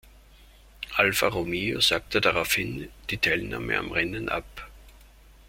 Alfa Romeo sagte daraufhin die Teilnahme am Rennen ab.